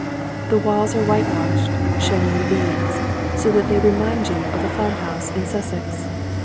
The walls are whitewashed, showing the beams, so that they remind you of a farmhouse in Sussex.